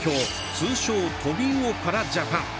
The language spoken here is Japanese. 通称、トビウオパラジャパン！